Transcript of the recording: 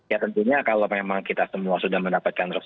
ya tentunya kalau memang kita semua sudah mendapatkan